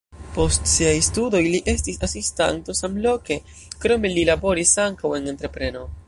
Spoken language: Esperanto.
Post siaj studoj li estis asistanto samloke, krome li laboris ankaŭ en entrepreno.